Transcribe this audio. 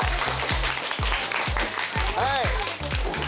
はい！